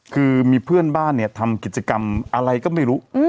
คือมีเพื่อนบ้านเนี่ยทำกิจกรรมอะไรก็ไม่รู้